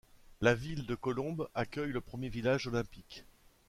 La ville de Colombes accueille le premier village olympique.